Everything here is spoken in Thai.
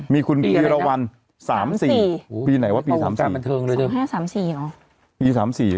มีคุณกีฤวัล๓๔ปีไหนวะปี๓๕๓๔